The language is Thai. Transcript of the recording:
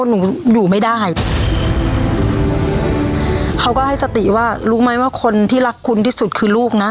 หนูอยู่ไม่ได้เขาก็ให้สติว่ารู้ไหมว่าคนที่รักคุณที่สุดคือลูกนะ